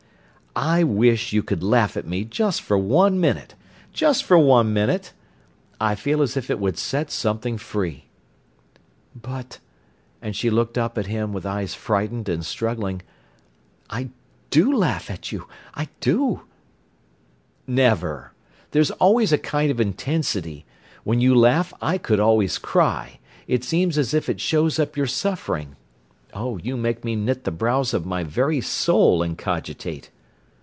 "I wish you could laugh at me just for one minute—just for one minute. I feel as if it would set something free." "But"—and she looked up at him with eyes frightened and struggling—"I do laugh at you—I do." "Never! There's always a kind of intensity. When you laugh I could always cry; it seems as if it shows up your suffering. Oh, you make me knit the brows of my very soul and cogitate."